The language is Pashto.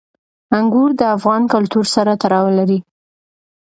انګور د افغان کلتور سره تړاو لري.